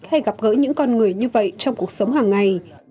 hay gặp gỡ những con người như vậy trong cuộc sống hàng ngày